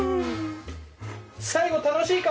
最後楽しい顔！